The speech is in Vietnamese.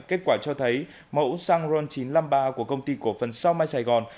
kết quả cho thấy mẫu xăng ron chín trăm năm mươi ba của công ty cổ phần sao mai sài gòn